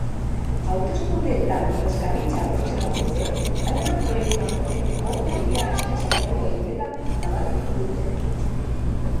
Hauteskundeetan ordezkaritza lortzen badute, hainbat proiektu energetiko geldiarazten saiatuko direla nabarmendu dute.